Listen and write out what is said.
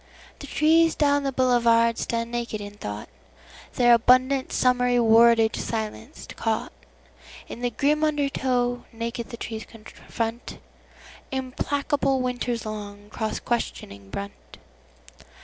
The trees down the boulevard stand naked in thought, Their abundant summery wordage silenced, caughtIn the grim undertow; naked the trees confrontImplacable winter's long, cross questioning brunt.